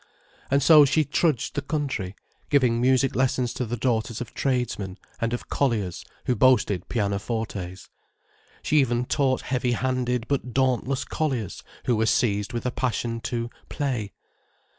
And so she trudged the country, giving music lessons to the daughters of tradesmen and of colliers who boasted pianofortes. She even taught heavy handed but dauntless colliers, who were seized with a passion to "play."